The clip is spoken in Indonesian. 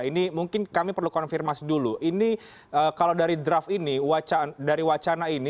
ini mungkin kami perlu konfirmasi dulu ini kalau dari draft ini dari wacana ini